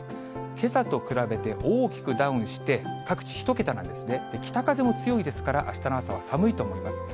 けさと比べて大きくダウンして、各地、１桁なんですね。北風も強いですから、あしたの朝は寒いと思います。